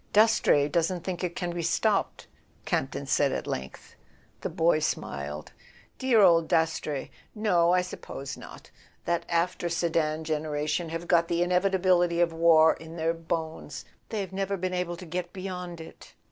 "Dastrey doesn't think it can be stopped," Camp ton said at length. The boy smiled. "Dear old Dastrey! No, I suppose not. That after Sedan generation have got the inevitability of war in their bones. They've never been able to get beyond it.